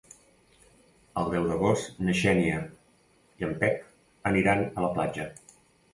El deu d'agost na Xènia i en Pep aniran a la platja.